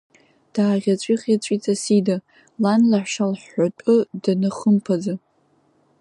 Дааӷьаҵәы-ӷьаҵәит Асида, лан лаҳәшьа лҳәатәы данахымԥаӡа.